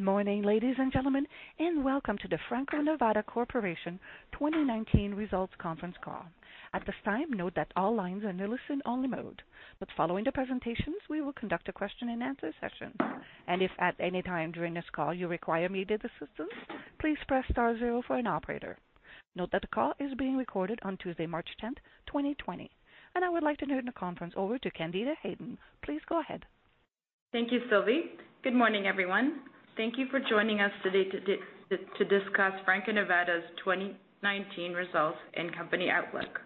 Good morning, ladies and gentlemen, and welcome to the Franco-Nevada Corporation 2019 Results Conference Call. At this time, note that all lines are in listen only mode. Following the presentations, we will conduct a question and answer session. If at any time during this call you require immediate assistance, please press star zero for an operator. Note that the call is being recorded on Tuesday, March 10th, 2020. I would like to turn the conference over to Candida Hayden. Please go ahead. Thank you, Sylvie. Good morning, everyone. Thank you for joining us today to discuss Franco-Nevada's 2019 results and company outlook.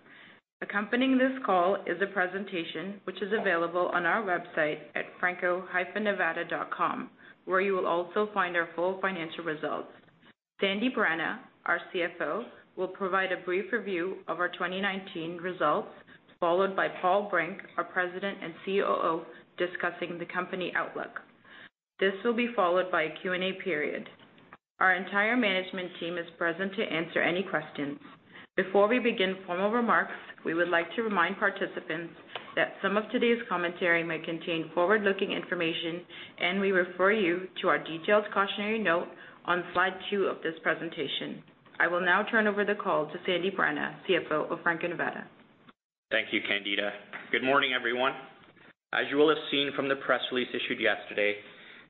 Accompanying this call is a presentation which is available on our website at franco-nevada.com, where you will also find our full financial results. Sandip Rana, our CFO, will provide a brief review of our 2019 results, followed by Paul Brink, our President and COO, discussing the company outlook. This will be followed by a Q&A period. Our entire management team is present to answer any questions. Before we begin formal remarks, we would like to remind participants that some of today's commentary may contain forward-looking information, and we refer you to our detailed cautionary note on slide two of this presentation. I will now turn over the call to Sandip Rana, CFO of Franco-Nevada. Thank you, Candida. Good morning, everyone. As you will have seen from the press release issued yesterday,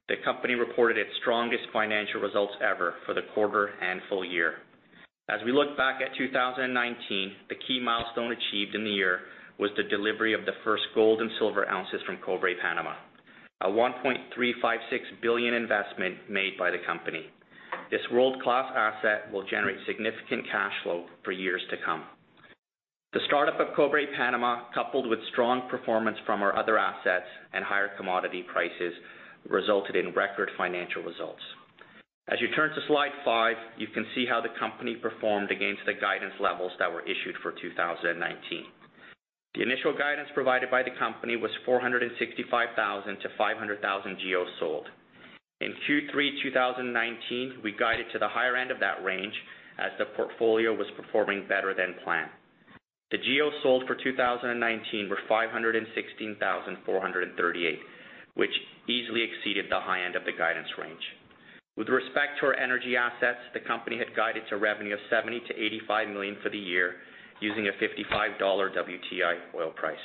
the company reported its strongest financial results ever for the quarter and full year. As we look back at 2019, the key milestone achieved in the year was the delivery of the first gold and silver ounces from Cobre Panama, a $1.356 billion investment made by the company. This world-class asset will generate significant cash flow for years to come. The startup of Cobre Panama, coupled with strong performance from our other assets and higher commodity prices, resulted in record financial results. As you turn to slide five, you can see how the company performed against the guidance levels that were issued for 2019. The initial guidance provided by the company was 465,000 GEOs-500,000 GEOs sold. In Q3 2019, we guided to the higher end of that range as the portfolio was performing better than planned. The GEOs sold for 2019 were 516,438, which easily exceeded the high end of the guidance range. With respect to our energy assets, the company had guided to revenue of $70 million-$85 million for the year using a $55 WTI oil price.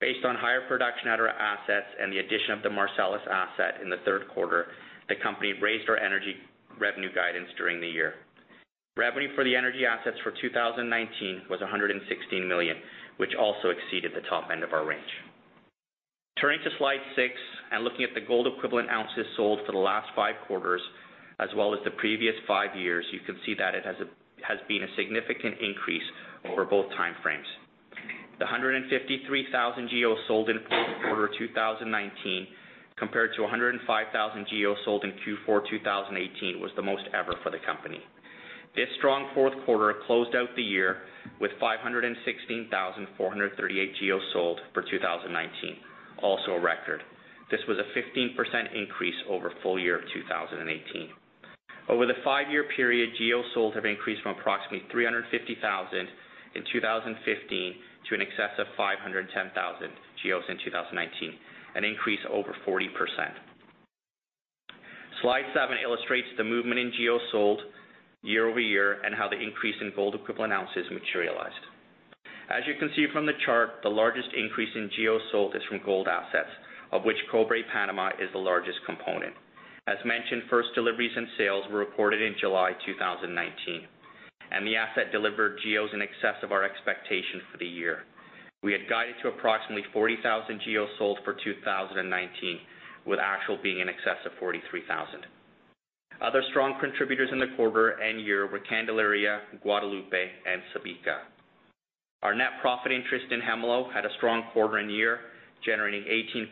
Based on higher production at our assets and the addition of the Marcellus asset in the third quarter, the company raised our energy revenue guidance during the year. Revenue for the energy assets for 2019 was $116 million, which also exceeded the top end of our range. Turning to slide six and looking at the gold equivalent ounces sold for the last five quarters as well as the previous five years, you can see that it has been a significant increase over both time frames. The 153,000 GEOs sold in fourth quarter 2019 compared to 105,000 GEOs sold in Q4 2018 was the most ever for the company. This strong fourth quarter closed out the year with 516,438 GEOs sold for 2019, also a record. This was a 15% increase over full year of 2018. Over the five-year period, GEOs sold have increased from approximately 350,000 GEOs in 2015 to an excess of 510,000 GEOs in 2019, an increase over 40%. Slide seven illustrates the movement in GEOs sold year-over-year and how the increase in gold equivalent ounces materialized. As you can see from the chart, the largest increase in GEOs sold is from gold assets, of which Cobre Panama is the largest component. As mentioned, first deliveries and sales were reported in July 2019, and the asset delivered GEOs in excess of our expectations for the year. We had guided to approximately 40,000 GEOs sold for 2019, with actual being in excess of 43,000 GEOs. Other strong contributors in the quarter and year were Candelaria, Guadalupe, and Subika. Our net profit interest in Hemlo had a strong quarter and year, generating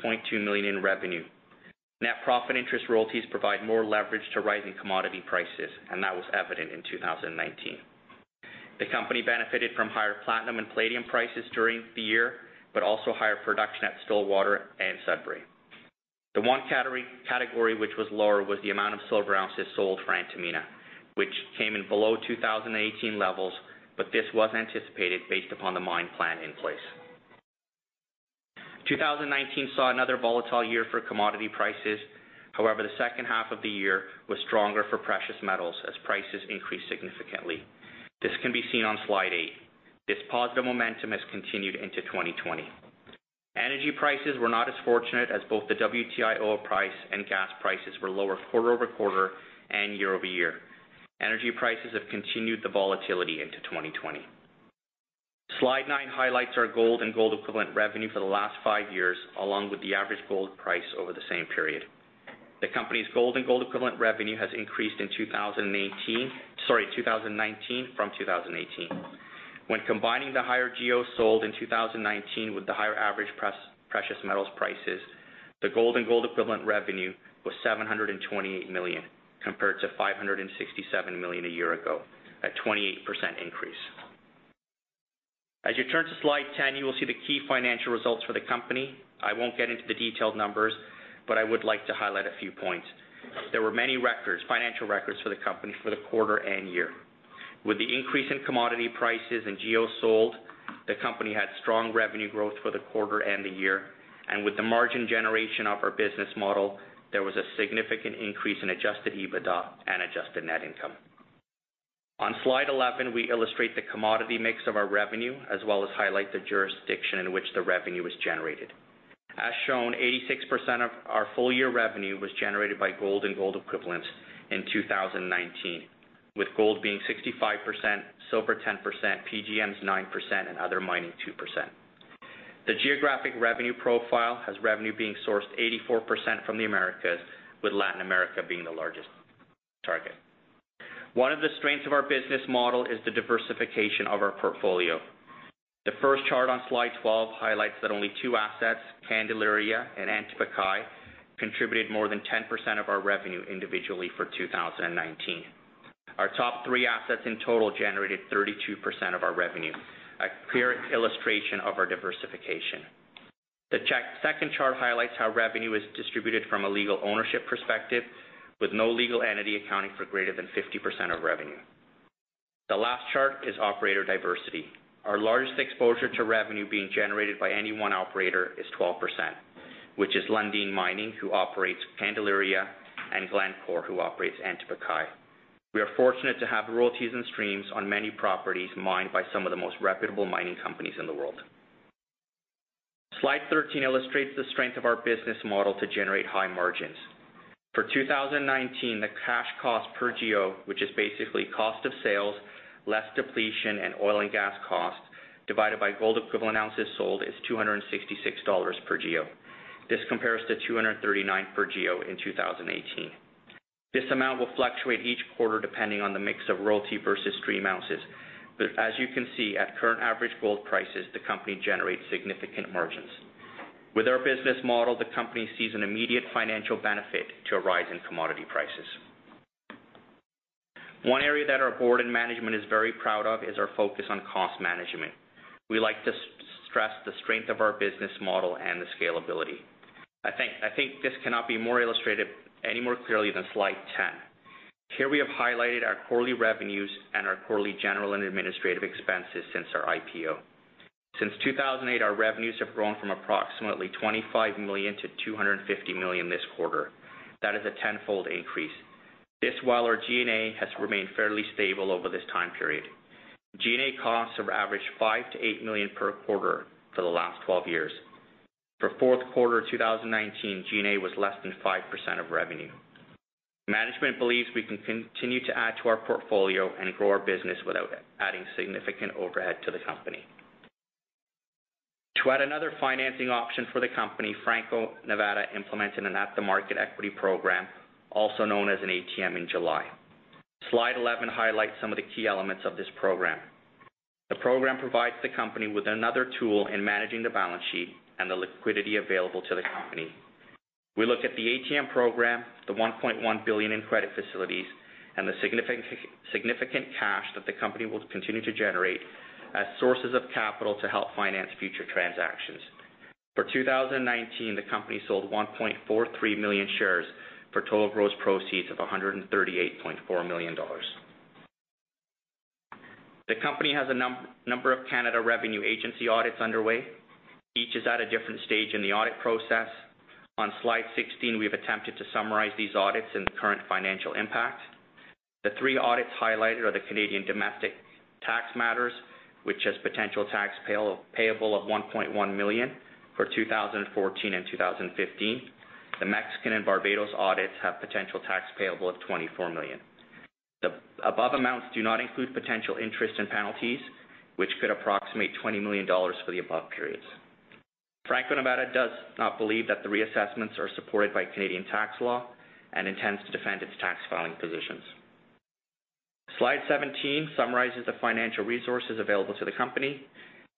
$18.2 million in revenue. Net profit interest royalties provide more leverage to rising commodity prices, and that was evident in 2019. The company benefited from higher platinum and palladium prices during the year, but also higher production at Stillwater and Sudbury. The one category which was lower was the amount of silver ounces sold for Antamina, which came in below 2018 levels, but this was anticipated based upon the mine plan in place. 2019 saw another volatile year for commodity prices. However, the second half of the year was stronger for precious metals as prices increased significantly. This can be seen on slide eight. This positive momentum has continued into 2020. Energy prices were not as fortunate as both the WTI oil price and gas prices were lower quarter-over-quarter and year-over-year. Energy prices have continued the volatility into 2020. Slide nine highlights our gold and gold equivalent revenue for the last five years, along with the average gold price over the same period. The company's gold and gold equivalent revenue has increased in 2019 from 2018. When combining the higher GEOs sold in 2019 with the higher average precious metals prices, the gold and gold equivalent revenue was $728 million compared to $567 million a year ago, a 28% increase. As you turn to slide 10, you will see the key financial results for the company. I won't get into the detailed numbers, but I would like to highlight a few points. There were many records, financial records for the company for the quarter and year. With the increase in commodity prices and GEOs sold, the company had strong revenue growth for the quarter and the year. With the margin generation of our business model, there was a significant increase in adjusted EBITDA and adjusted net income. On slide 11, we illustrate the commodity mix of our revenue, as well as highlight the jurisdiction in which the revenue is generated. As shown, 86% of our full year revenue was generated by gold and gold equivalents in 2019, with gold being 65%, silver 10%, PGMs 9%, and other mining 2%. The geographic revenue profile has revenue being sourced 84% from the Americas, with Latin America being the largest target. One of the strengths of our business model is the diversification of our portfolio. The first chart on slide 12 highlights that only two assets, Candelaria and Antapaccay, contributed more than 10% of our revenue individually for 2019. Our top three assets in total generated 32% of our revenue, a clear illustration of our diversification. The second chart highlights how revenue is distributed from a legal ownership perspective, with no legal entity accounting for greater than 50% of revenue. The last chart is operator diversity. Our largest exposure to revenue being generated by any one operator is 12%, which is Lundin Mining, who operates Candelaria, and Glencore, who operates Antapaccay. We are fortunate to have royalties and streams on many properties mined by some of the most reputable mining companies in the world. Slide 13 illustrates the strength of our business model to generate high margins. For 2019, the cash cost per GEO, which is basically cost of sales, less depletion and oil and gas costs, divided by gold equivalent ounces sold, is $266 per GEO. This compares to $239 per GEO in 2018. This amount will fluctuate each quarter depending on the mix of royalty versus stream ounces. As you can see, at current average gold prices, the company generates significant margins. With our business model, the company sees an immediate financial benefit to a rise in commodity prices. One area that our board and management is very proud of is our focus on cost management. We like to stress the strength of our business model and the scalability. I think this cannot be more illustrated any more clearly than slide 10. Here, we have highlighted our quarterly revenues and our quarterly general and administrative expenses since our IPO. Since 2008, our revenues have grown from approximately $25 million to $250 million this quarter. That is a tenfold increase. This while our G&A has remained fairly stable over this time period. G&A costs have averaged $5 million-$8 million per quarter for the last 12 years. For fourth quarter 2019, G&A was less than 5% of revenue. Management believes we can continue to add to our portfolio and grow our business without adding significant overhead to the company. To add another financing option for the company, Franco-Nevada implemented an at-the-market equity program, also known as an ATM, in July. Slide 11 highlights some of the key elements of this program. The program provides the company with another tool in managing the balance sheet and the liquidity available to the company. We look at the ATM program, the $1.1 billion in credit facilities, and the significant cash that the company will continue to generate as sources of capital to help finance future transactions. For 2019, the company sold 1.43 million shares for total gross proceeds of $138.4 million. The company has a number of Canada Revenue Agency audits underway. Each is at a different stage in the audit process. On slide 16, we've attempted to summarize these audits and the current financial impact. The three audits highlighted are the Canadian domestic tax matters, which has potential tax payable of $1.1 million for 2014 and 2015. The Mexican and Barbados audits have potential tax payable of $24 million. The above amounts do not include potential interest and penalties, which could approximate $20 million for the above periods. Franco-Nevada does not believe that the reassessments are supported by Canadian tax law and intends to defend its tax filing positions. Slide 17 summarizes the financial resources available to the company.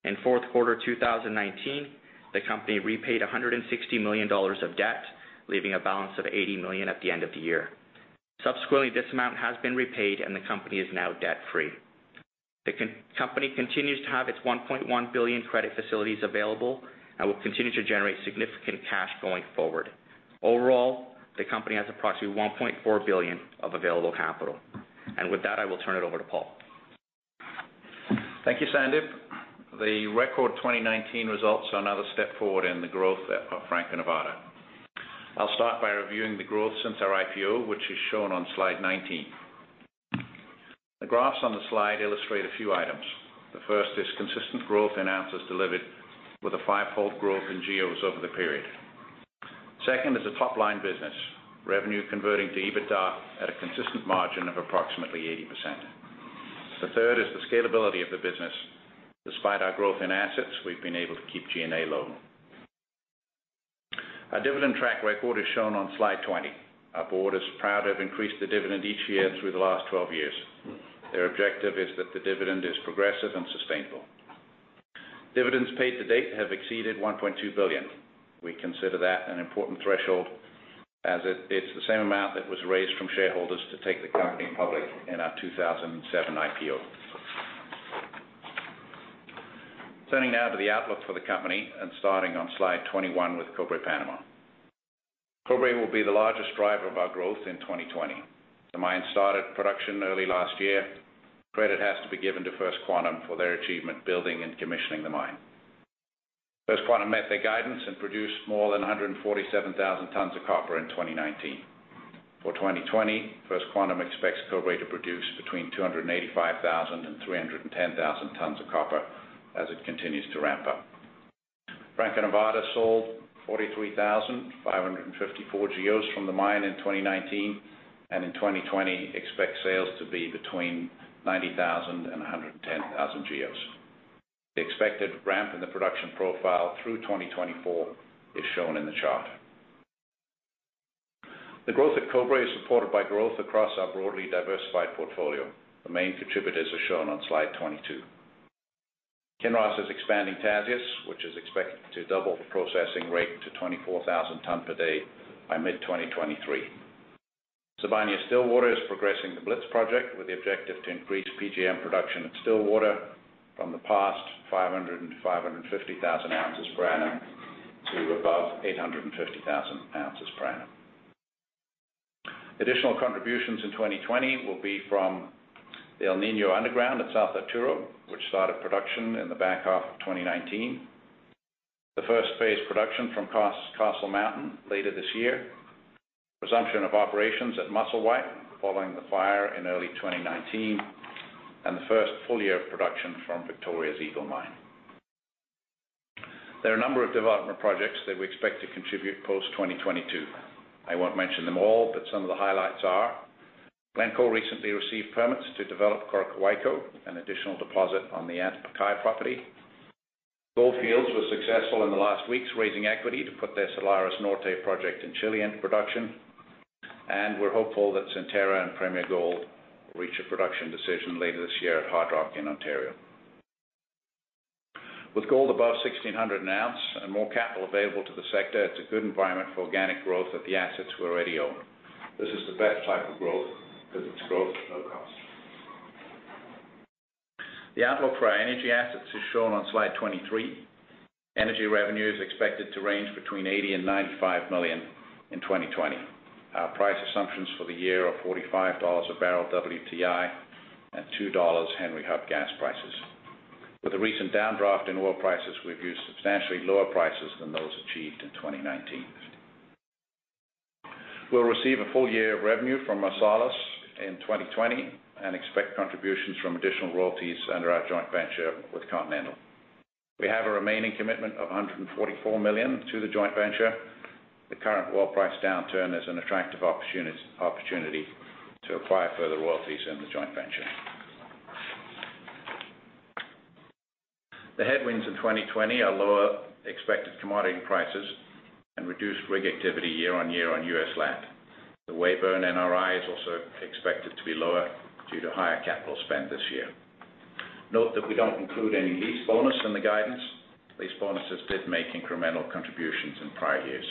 In fourth quarter 2019, the company repaid $160 million of debt, leaving a balance of $80 million at the end of the year. This amount has been repaid, and the company is now debt-free. The company continues to have its $1.1 billion credit facilities available and will continue to generate significant cash going forward. Overall, the company has approximately $1.4 billion of available capital. With that, I will turn it over to Paul. Thank you, Sandip. The record 2019 results are another step forward in the growth of Franco-Nevada. I'll start by reviewing the growth since our IPO, which is shown on slide 19. The graphs on the slide illustrate a few items. The first is consistent growth in ounces delivered, with a fivefold growth in GEOs over the period. Second is the top-line business, revenue converting to EBITDA at a consistent margin of approximately 80%. The third is the scalability of the business. Despite our growth in assets, we've been able to keep G&A low. Our dividend track record is shown on slide 20. Our board is proud to have increased the dividend each year through the last 12 years. Their objective is that the dividend is progressive and sustainable. Dividends paid to date have exceeded $1.2 billion. We consider that an important threshold, as it's the same amount that was raised from shareholders to take the company public in our 2007 IPO. Turning now to the outlook for the company and starting on slide 21 with Cobre Panama. Cobre will be the largest driver of our growth in 2020. The mine started production early last year. Credit has to be given to First Quantum for their achievement building and commissioning the mine. First Quantum met their guidance and produced more than 147,000 tons of copper in 2019. For 2020, First Quantum expects Cobre to produce between 285,000 and 310,000 tons of copper as it continues to ramp up. Franco-Nevada sold 43,554 GEOs from the mine in 2019, and in 2020 expects sales to be between 90,000 and 110,000 GEOs. The expected ramp in the production profile through 2024 is shown in the chart. The growth at Cobre is supported by growth across our broadly diversified portfolio. The main contributors are shown on slide 22. Kinross is expanding Tasiast, which is expected to double the processing rate to 24,000 tons per day by mid-2023. Sibanye-Stillwater is progressing the Blitz project with the objective to increase PGM production at Stillwater from the past 500,000 oz-550,000 oz per annum to above 850,000 oz per annum. Additional contributions in 2020 will be from the El Niño underground at South Arturo, which started production in the back half of 2019, first phase production from Castle Mountain later this year, resumption of operations at Musselwhite following the fire in early 2019, and the first full year of production from Victoria's Eagle Mine. There are a number of development projects that we expect to contribute post-2022. I won't mention them all, but some of the highlights are, Glencore recently received permits to develop Coroccohuayco, an additional deposit on the Antapaccay property. Gold Fields was successful in the last weeks, raising equity to put their Salares Norte project in Chile into production, and we're hopeful that Centerra and Premier Gold will reach a production decision later this year at Hardrock in Ontario. With gold above $1,600 an ounce and more capital available to the sector, it's a good environment for organic growth of the assets we already own. This is the best type of growth because it's growth at low cost. The outlook for our energy assets is shown on slide 23. Energy revenue is expected to range between $80 million and $95 million in 2020. Our price assumptions for the year are $45 a barrel WTI and $2 Henry Hub gas prices. With the recent downdraft in oil prices, we've used substantially lower prices than those achieved in 2019. We'll receive a full year of revenue from Marcellus in 2020 and expect contributions from additional royalties under our joint venture with Continental. We have a remaining commitment of $144 million to the joint venture. The current oil price downturn is an attractive opportunity to acquire further royalties in the joint venture. The headwinds in 2020 are lower expected commodity prices and reduced rig activity year-over-year on U.S. land. The Weyburn NRI is also expected to be lower due to higher capital spend this year. Note that we don't include any lease bonus in the guidance. Lease bonuses did make incremental contributions in prior years.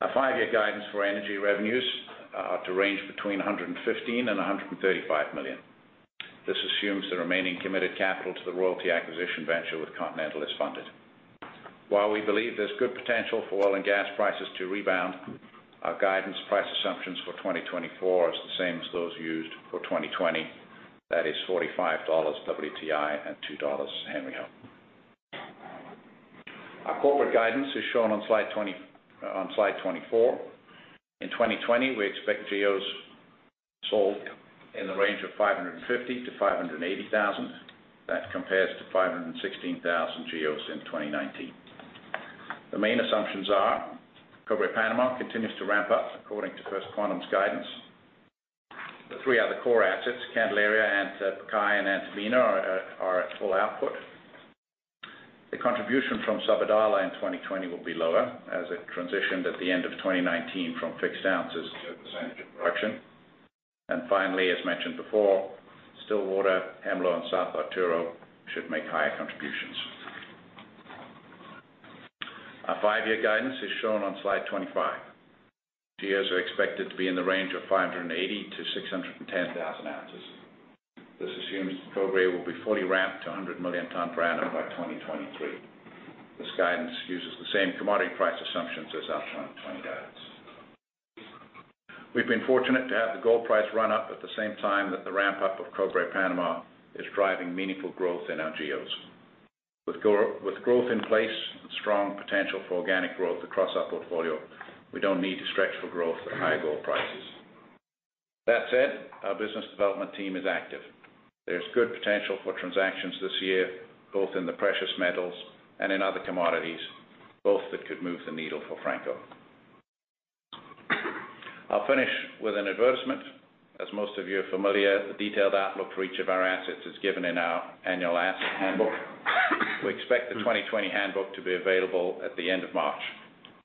Our five-year guidance for energy revenues are to range between $115 million and $135 million. This assumes the remaining committed capital to the royalty acquisition venture with Continental is funded. While we believe there's good potential for oil and gas prices to rebound, our guidance price assumptions for 2024 is the same as those used for 2020. That is $45 WTI and $2 Henry Hub. Our corporate guidance is shown on slide 24. In 2020, we expect GEOs sold in the range of 550,000-580,000. That compares to 516,000 GEOs in 2019. The main assumptions are Cobre Panama continues to ramp up according to First Quantum's guidance. The three other core assets, Candelaria, Antapaccay, and Antamina are at full output. The contribution from Sabodala in 2020 will be lower as it transitioned at the end of 2019 from fixed ounces to a percentage of production. Finally, as mentioned before, Stillwater, Hemlo, and South Arturo should make higher contributions. Our five-year guidance is shown on slide 25. GEOs are expected to be in the range of 580,0006 oz-610,000 oz. This assumes Cobre will be fully ramped to 100 million ton per annum by 2023. This guidance uses the same commodity price assumptions as our 2020 guidance. We've been fortunate to have the gold price run up at the same time that the ramp-up of Cobre Panama is driving meaningful growth in our GEOs. With growth in place and strong potential for organic growth across our portfolio, we don't need to stretch for growth at high gold prices. That said, our business development team is active. There's good potential for transactions this year, both in the precious metals and in other commodities, both that could move the needle for Franco. I'll finish with an advertisement. As most of you are familiar, the detailed outlook for each of our assets is given in our annual asset handbook. We expect the 2020 handbook to be available at the end of March.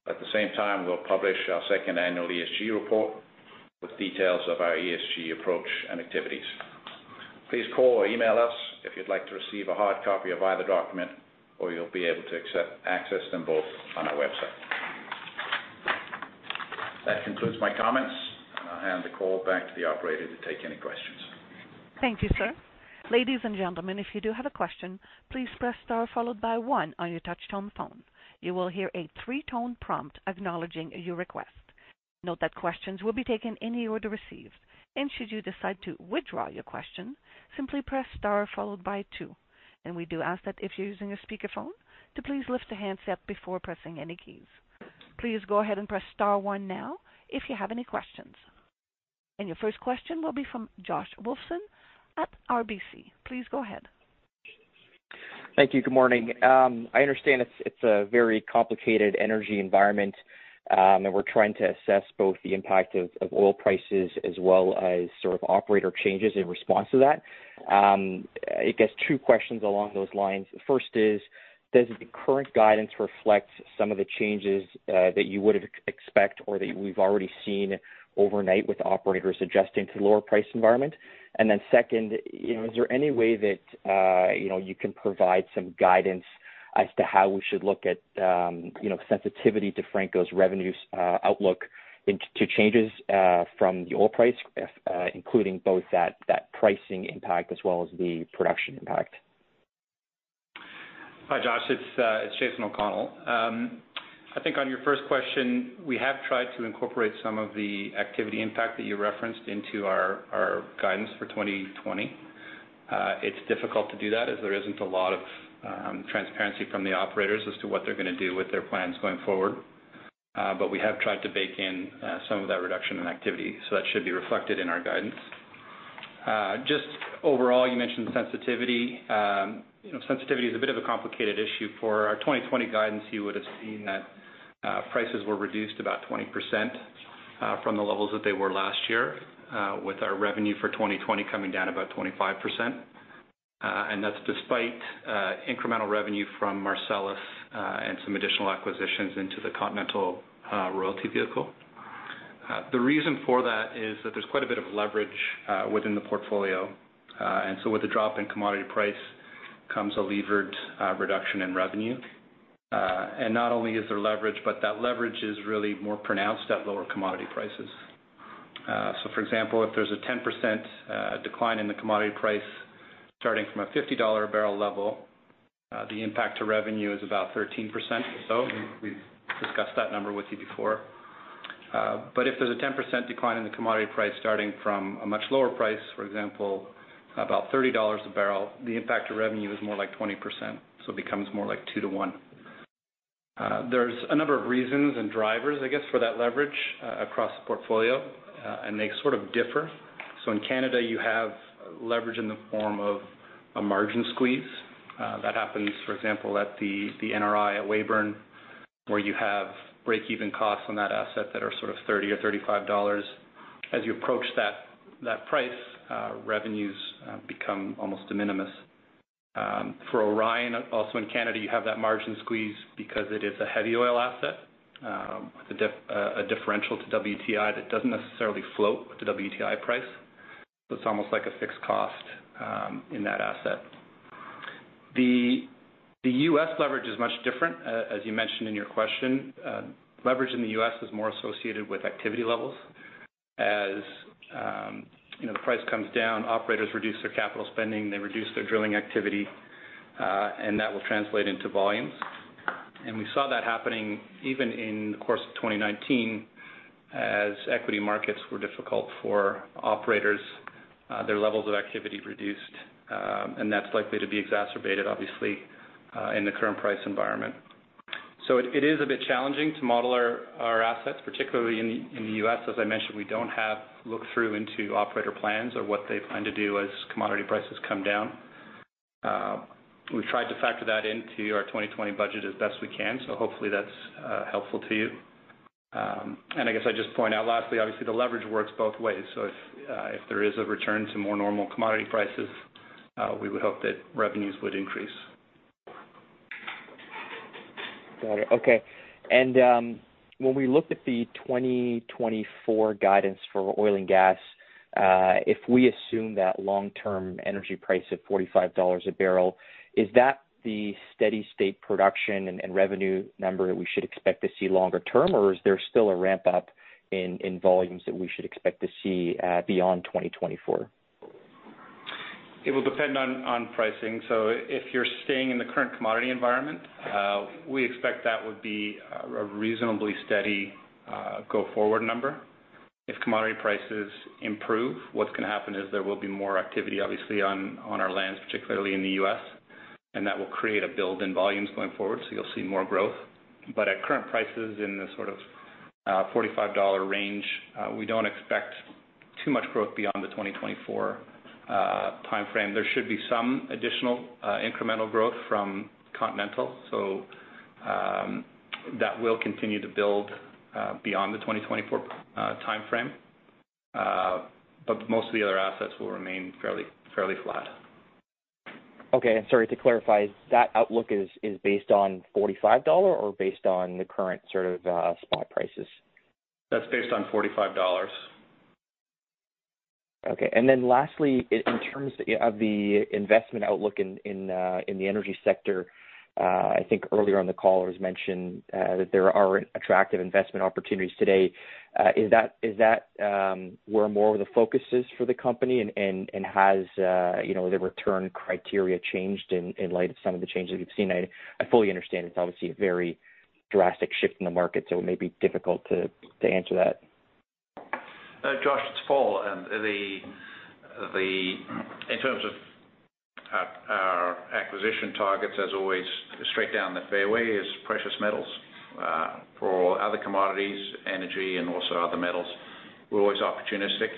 At the same time, we'll publish our second annual ESG report with details of our ESG approach and activities. Please call or email us if you'd like to receive a hard copy of either document, or you'll be able to access them both on our website. That concludes my comments. I'll hand the call back to the operator to take any questions. Thank you, sir. Ladies and gentlemen, if you do have a question, please press star followed by one on your touch-tone phone. You will hear a three-tone prompt acknowledging your request. Note that questions will be taken in the order received. Should you decide to withdraw your question, simply press star followed by two. We do ask that if you're using a speakerphone, to please lift the handset before pressing any keys. Please go ahead and press star one now if you have any questions. Your first question will be from Josh Wolfson at RBC. Please go ahead. Thank you. Good morning. I understand it's a very complicated energy environment, and we're trying to assess both the impact of oil prices as well as sort of operator changes in response to that. I guess two questions along those lines. First is, does the current guidance reflect some of the changes that you would expect or that we've already seen overnight with operators adjusting to the lower price environment? Second, is there any way that you can provide some guidance as to how we should look at sensitivity to Franco's revenues outlook into changes from the oil price, including both that pricing impact as well as the production impact? Hi, Josh. It's Jason O'Connell. I think on your first question, we have tried to incorporate some of the activity impact that you referenced into our guidance for 2020. It's difficult to do that as there isn't a lot of transparency from the operators as to what they're going to do with their plans going forward. We have tried to bake in some of that reduction in activity, so that should be reflected in our guidance. Just overall, you mentioned sensitivity. Sensitivity is a bit of a complicated issue. For our 2020 guidance, you would've seen that prices were reduced about 20% from the levels that they were last year, with our revenue for 2020 coming down about 25%. That's despite incremental revenue from Marcellus and some additional acquisitions into the Continental royalty vehicle. The reason for that is that there's quite a bit of leverage within the portfolio. With a drop in commodity price comes a levered reduction in revenue. Not only is there leverage, but that leverage is really more pronounced at lower commodity prices. For example, if there's a 10% decline in the commodity price starting from a $50 a barrel level, the impact to revenue is about 13% or so. We've discussed that number with you before. If there's a 10% decline in the commodity price starting from a much lower price, for example, about $30 a barrel, the impact to revenue is more like 20%, so it becomes more like 2:1. There's a number of reasons and drivers, I guess, for that leverage across the portfolio, and they sort of differ. In Canada, you have leverage in the form of a margin squeeze. That happens, for example, at the NRI at Weyburn, where you have break-even costs on that asset that are sort of $30 or $35. As you approach that price, revenues become almost de minimis. For Orion, also in Canada, you have that margin squeeze because it is a heavy oil asset with a differential to WTI that doesn't necessarily float with the WTI price. It's almost like a fixed cost in that asset. The U.S. leverage is much different, as you mentioned in your question. Leverage in the U.S. is more associated with activity levels. As the price comes down, operators reduce their capital spending, they reduce their drilling activity, and that will translate into volumes. We saw that happening even in the course of 2019 as equity markets were difficult for operators, their levels of activity reduced, and that's likely to be exacerbated, obviously, in the current price environment. It is a bit challenging to model our assets, particularly in the U.S. As I mentioned, we don't have look-through into operator plans or what they plan to do as commodity prices come down. We've tried to factor that into our 2020 budget as best we can, so hopefully that's helpful to you. I guess I'd just point out lastly, obviously, the leverage works both ways. If there is a return to more normal commodity prices, we would hope that revenues would increase. Got it. Okay. When we looked at the 2024 guidance for oil and gas, if we assume that long-term energy price of $45 a barrel, is that the steady state production and revenue number that we should expect to see longer term, or is there still a ramp-up in volumes that we should expect to see beyond 2024? It will depend on pricing. If you're staying in the current commodity environment, we expect that would be a reasonably steady go-forward number. If commodity prices improve, what's going to happen is there will be more activity, obviously, on our lands, particularly in the U.S., and that will create a build in volumes going forward, so you'll see more growth. At current prices in the sort of $45 range, we don't expect too much growth beyond the 2024 timeframe. There should be some additional incremental growth from Continental. That will continue to build beyond the 2024 timeframe. Most of the other assets will remain fairly flat. Sorry, to clarify, that outlook is based on $45 or based on the current sort of spot prices? That's based on $45. Okay. Lastly, in terms of the investment outlook in the energy sector, I think earlier on the call it was mentioned that there are attractive investment opportunities today. Is that where more of the focus is for the company and has the return criteria changed in light of some of the changes we've seen? I fully understand it's obviously a very drastic shift in the market, it may be difficult to answer that. Josh, it's Paul. In terms of our acquisition targets, as always, straight down the fairway is precious metals. For other commodities, energy, and also other metals, we're always opportunistic.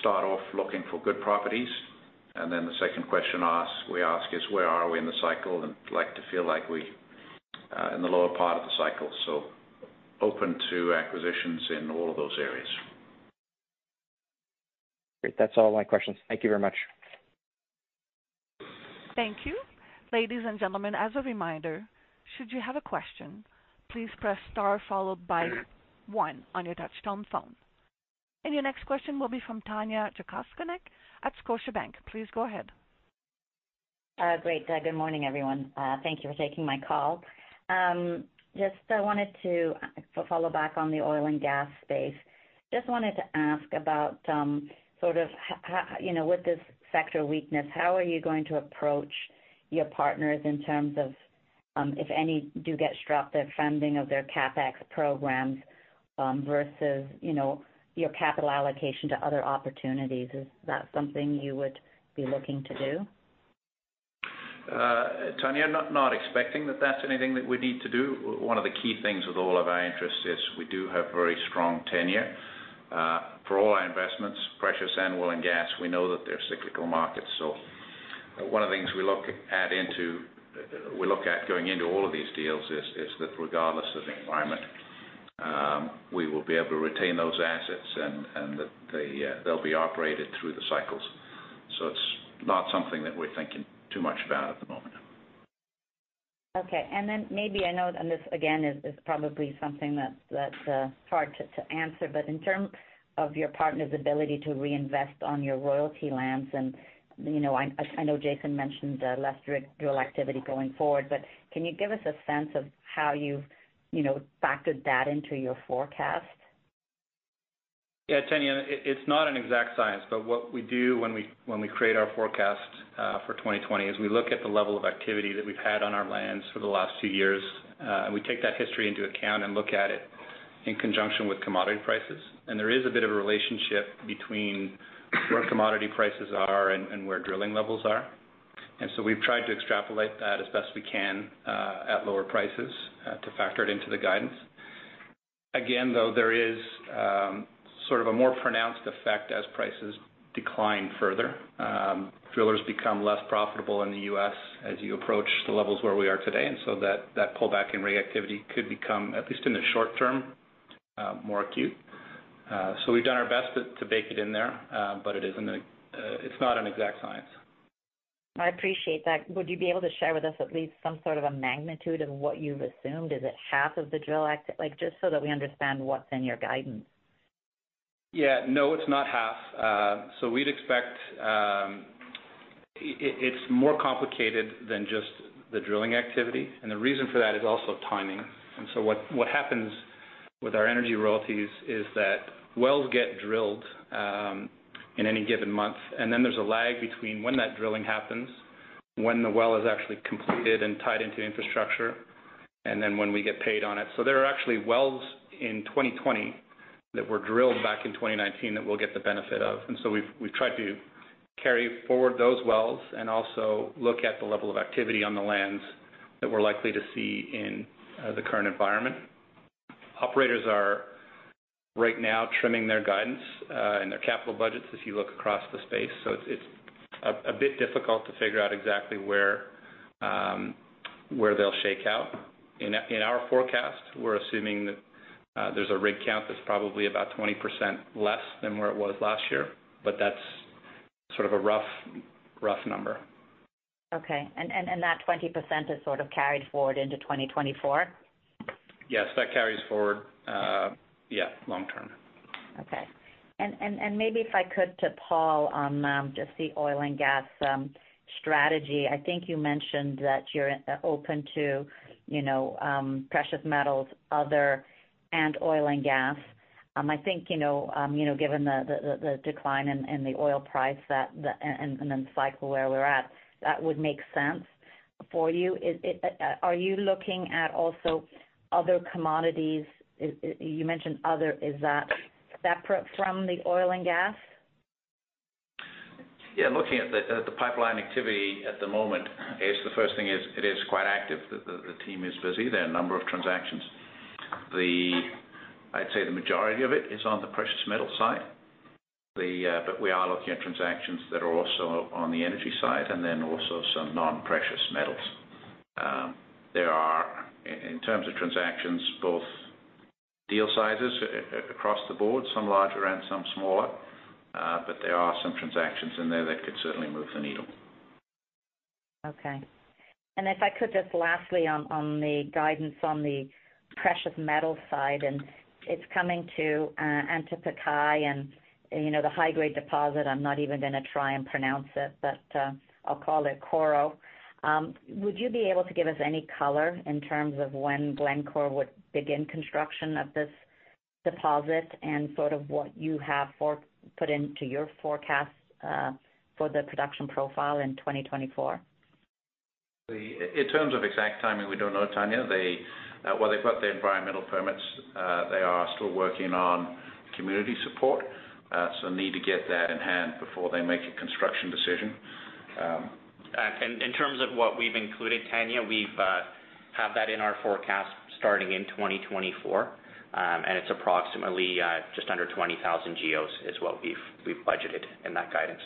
Start off looking for good properties, and then the second question we ask is where are we in the cycle? Like to feel like we are in the lower part of the cycle, so open to acquisitions in all of those areas. Great. That's all my questions. Thank you very much. Thank you. Ladies and gentlemen, as a reminder, should you have a question, please press star followed by one on your touch-tone phone. Your next question will be from Tanya Jakusconek at Scotiabank. Please go ahead. Great. Good morning, everyone. Thank you for taking my call. Just wanted to follow back on the oil and gas space. Just wanted to ask about with this sector weakness, how are you going to approach your partners in terms of, if any do get strapped, their funding of their CapEx programs versus your capital allocation to other opportunities? Is that something you would be looking to do? Tanya, not expecting that that's anything that we'd need to do. One of the key things with all of our interests is we do have very strong tenure for all our investments, precious and oil and gas. We know that they're cyclical markets, so one of the things we look at going into all of these deals is that regardless of the environment, we will be able to retain those assets and that they'll be operated through the cycles. It's not something that we're thinking too much about at the moment. Okay. Maybe, I know, and this again is probably something that's hard to answer, but in terms of your partner's ability to reinvest on your royalty lands, and I know Jason mentioned less drill activity going forward, but can you give us a sense of how you've factored that into your forecast? Yeah, Tanya, it's not an exact science, but what we do when we create our forecast for 2020 is we look at the level of activity that we've had on our lands for the last two years, and we take that history into account and look at it in conjunction with commodity prices. There is a bit of a relationship between where commodity prices are and where drilling levels are. We've tried to extrapolate that as best we can at lower prices to factor it into the guidance. Again, though, there is sort of a more pronounced effect as prices decline further. Drillers become less profitable in the U.S. as you approach the levels where we are today, and so that pullback in reactivity could become, at least in the short term, more acute. We've done our best to bake it in there, but it's not an exact science. I appreciate that. Would you be able to share with us at least some sort of a magnitude of what you've assumed? Is it half of the drill activity? Just so that we understand what's in your guidance. Yeah. No, it's not half. It's more complicated than just the drilling activity, and the reason for that is also timing. What happens with our energy royalties is that wells get drilled in any given month, and then there's a lag between when that drilling happens, when the well is actually completed and tied into infrastructure, and then when we get paid on it. There are actually wells in 2020 that were drilled back in 2019 that we'll get the benefit of. We've tried to carry forward those wells and also look at the level of activity on the lands that we're likely to see in the current environment. Operators are right now trimming their guidance and their capital budgets as you look across the space, so it's a bit difficult to figure out exactly where they'll shake out. In our forecast, we're assuming that there's a rig count that's probably about 20% less than where it was last year, but that's sort of a rough number. Okay, that 20% is sort of carried forward into 2024? Yes. That carries forward. Yeah, long term. Okay. Maybe if I could to Paul on just the oil and gas strategy. I think you mentioned that you're open to precious metals, other, and oil and gas. I think given the decline in the oil price and the cycle where we're at, that would make sense for you. Are you looking at also other commodities? You mentioned other, is that separate from the oil and gas? Yeah, looking at the pipeline activity at the moment, is the first thing is it is quite active. The team is busy. There are a number of transactions. I'd say the majority of it is on the precious metal side. We are looking at transactions that are also on the energy side and then also some non-precious metals. In terms of transactions, both deal sizes across the board, some larger and some smaller, but there are some transactions in there that could certainly move the needle. Okay. If I could just lastly on the guidance on the precious metal side, and it's coming to Antapaccay and the high-grade deposit, I'm not even going to try and pronounce it, but I'll call it [Coro]. Would you be able to give us any color in terms of when Glencore would begin construction of this deposit and sort of what you have put into your forecast for the production profile in 2024? In terms of exact timing, we don't know, Tanya. Well, they've got the environmental permits. They are still working on community support, so need to get that in hand before they make a construction decision. In terms of what we've included, Tanya, we have that in our forecast starting in 2024, and it's approximately just under 20,000 GEOs is what we've budgeted in that guidance.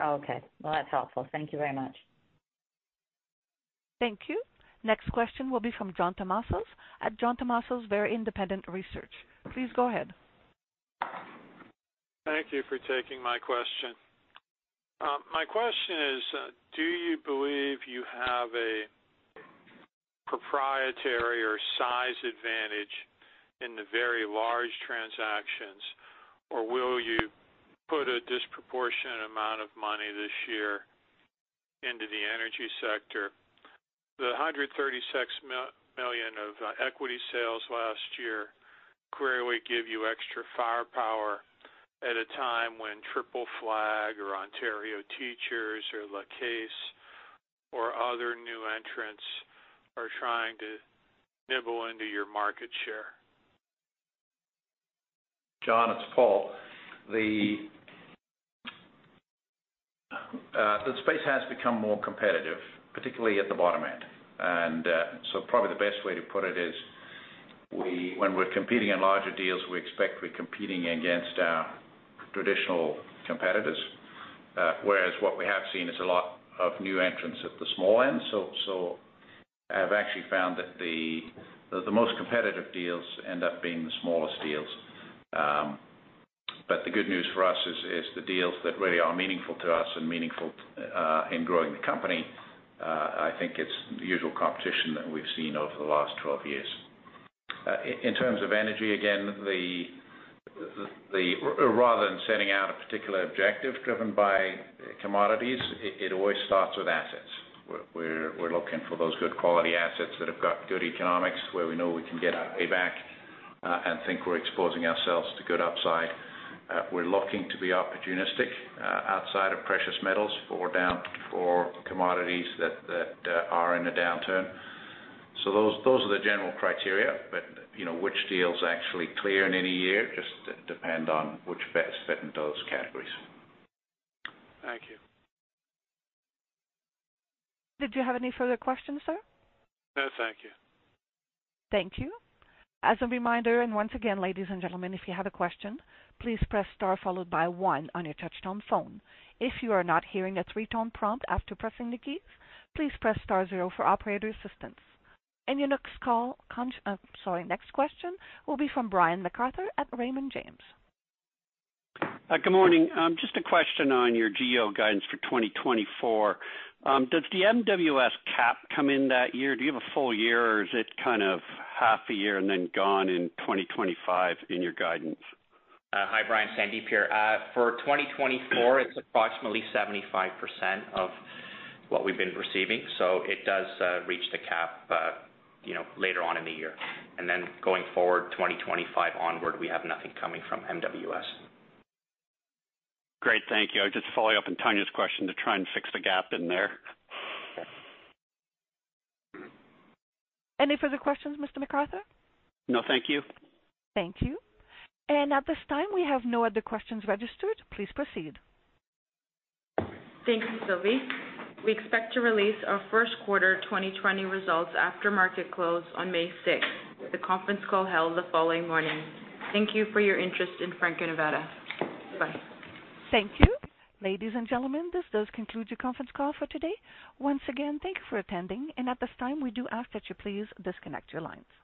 Okay. Well, that's helpful. Thank you very much. Thank you. Next question will be from John Tumazos at John Tumazos Very Independent Research. Please go ahead. Thank you for taking my question. My question is, do you believe you have a proprietary or size advantage in the very large transactions, or will you put a disproportionate amount of money this year into the energy sector? The $136 million of equity sales last year clearly give you extra firepower at a time when Triple Flag or Ontario Teachers or La Caisse or other new entrants are trying to nibble into your market share. John, it's Paul. The space has become more competitive, particularly at the bottom end. Probably the best way to put it is, when we're competing in larger deals, we expect we're competing against our traditional competitors. What we have seen is a lot of new entrants at the small end. I've actually found that the most competitive deals end up being the smallest deals. The good news for us is the deals that really are meaningful to us and meaningful in growing the company, I think it's the usual competition that we've seen over the last 12 years. In terms of energy, again, rather than setting out a particular objective driven by commodities, it always starts with assets. We're looking for those good quality assets that have got good economics, where we know we can get our payback, and think we're exposing ourselves to good upside. We're looking to be opportunistic outside of precious metals for commodities that are in a downturn. Those are the general criteria, but which deals actually clear in any year just depend on which best fit in those categories. Thank you. Did you have any further questions, sir? No, thank you. Thank you. As a reminder, once again, ladies and gentlemen, if you have a question, please press star followed by one on your touch-tone phone. If you are not hearing a three-tone prompt after pressing the keys, please press star zero for operator assistance. Your next question will be from Brian MacArthur at Raymond James. Good morning. Just a question on your GEOs guidance for 2024. Does the MWS cap come in that year? Do you have a full year or is it kind of half a year and then gone in 2025 in your guidance? Hi, Brian, Sandip here. For 2024, it's approximately 75% of what we've been receiving, so it does reach the cap later on in the year. Then going forward, 2025 onward, we have nothing coming from MWS. Great. Thank you. I was just following up on Tanya's question to try and fix the gap in there. Okay. Any further questions, Mr. MacArthur? No, thank you. Thank you. At this time, we have no other questions registered. Please proceed. Thank you, Sylvie. We expect to release our first quarter 2020 results after market close on May 6th, with a conference call held the following morning. Thank you for your interest in Franco-Nevada. Bye. Thank you. Ladies and gentlemen, this does conclude your conference call for today. Once again, thank you for attending. At this time, we do ask that you please disconnect your lines.